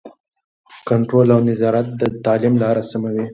کنټرول او نظارت د تعلیم لاره سموي.